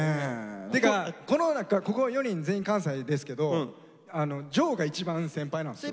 ってかここ４人全員関西ですけど丈が一番先輩なんですよ。